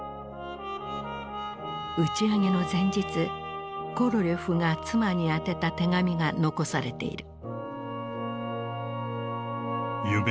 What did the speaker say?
打ち上げの前日コロリョフが妻に宛てた手紙が残されている。